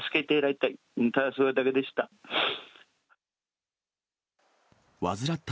ただそれだけでした。